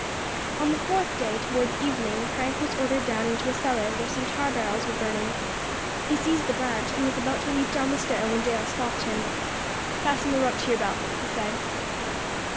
On the fourth day, towards evening, Frank was ordered down into a cellar where some tar barrels were burning. He seized the branch, and was about to leap down the stair when Dale stopped him. "Fasten the rope to your belt," he said.